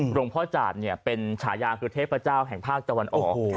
หลวงพ่อจาธเนี่ยเป็นฉายาคือเทพเจ้าแห่งภาคจัวร์อ๋อโอ้โห